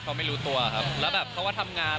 เขาไม่รู้ตัวครับแล้วแบบเขาก็ทำงาน